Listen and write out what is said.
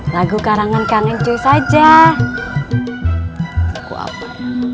lagu karangan kang uncuy saja